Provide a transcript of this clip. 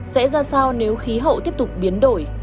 sẽ ra sao nếu khí hậu tiếp tục biến đổi